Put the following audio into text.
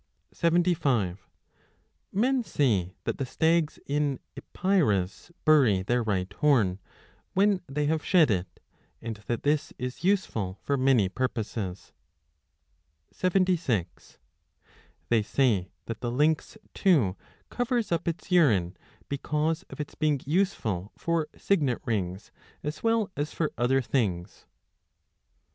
75 Men say that the stags in Epirus bury their right horn, when they have shed it, and that this is useful for many purposes. 76 They say that the lynx too covers up its urine, because 3 of its being useful for signet rings as well as for other things.